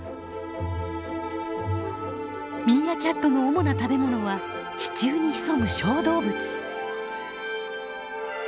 ミーアキャットの主な食べ物は地中に潜む小動物。